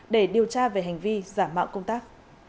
để điều tra về hành vi giả mạo công tác